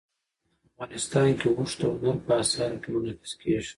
افغانستان کې اوښ د هنر په اثار کې منعکس کېږي.